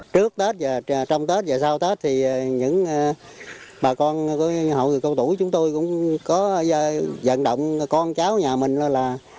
trước tết trong tết và sau tết thì những bà con hội cầu tuổi chúng tôi cũng có dần động con cháu nhà mình là